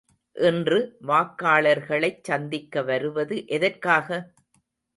இன்று வாக்காளர்களைச் சந்திக்க வருவது எதற்காக?